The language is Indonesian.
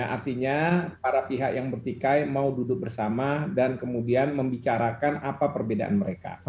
artinya para pihak yang bertikai mau duduk bersama dan kemudian membicarakan apa perbedaan mereka